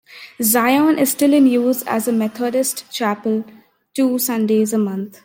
Zion is still in use as a Methodist chapel two Sundays a month.